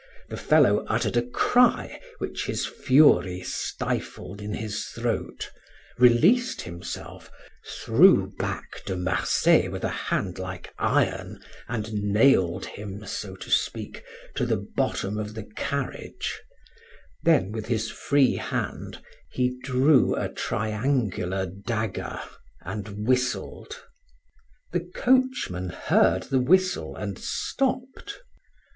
The fellow uttered a cry which his fury stifled in his throat, released himself, threw back De Marsay with a hand like iron, and nailed him, so to speak, to the bottom of the carriage; then with his free hand, he drew a triangular dagger, and whistled. The coachman heard the whistle and stopped.